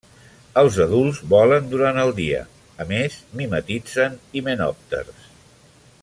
Els adults volen durant el dia; a més mimetitzen himenòpters.